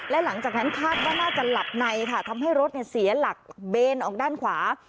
และหลังจากนั้นคาดว่าน่าจะหลับในค่ะทำให้รถเสียหลักเบนออกด้านขวา